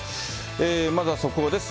まずは速報です。